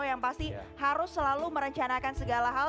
yang pasti harus selalu merencanakan segala hal